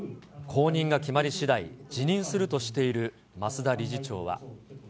後任が決まり次第、辞任するとしている増田理事長は。